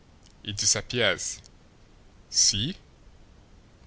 It disappears see?